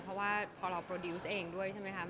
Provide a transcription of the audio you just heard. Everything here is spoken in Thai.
เพราะว่าพอเราโปรดิวส์เองด้วยใช่ไหมครับ